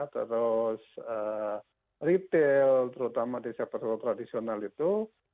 terus retail terutama di sektor tradisional itu